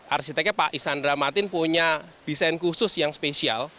arsiteknya pak isandra matin punya desain khusus yang spesial